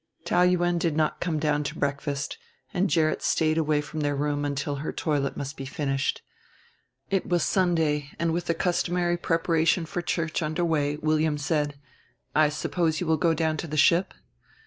Taou Yuen did not come down to breakfast, and Gerrit stayed away from their room until her toilet must be finished. It was Sunday; and with the customary preparation for church under way William said: "I suppose you will go down to the ship?"